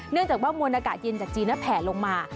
เนื่องจากว่ามวลอากาศเย็นจากจีนแผลลงมา